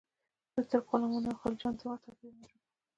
د ترک غلامانو او خلجیانو ترمنځ توپیر موجود و.